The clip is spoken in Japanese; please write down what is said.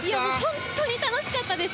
本当に楽しかったです！